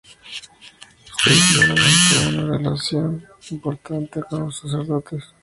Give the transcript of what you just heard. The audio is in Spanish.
Seis Mono mantuvo una relación importante con los sacerdotes.